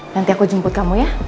nanti aku jemput kamu ya